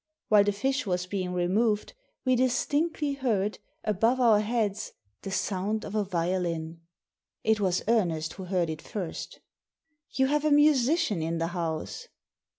While the fish was being removed we dis tinctly heard, above our heads, the sound of a violia It was Ernest who heard it first " You have a musician in the house."